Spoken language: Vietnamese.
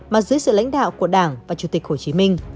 mà dưới sự lãnh đạo của đảng và chủ tịch hồ chí minh